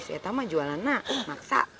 seta mah jualan nak maksa